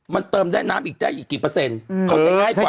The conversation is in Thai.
มันเติมได้น้ำอีกกี่เปอร์เซ็นต์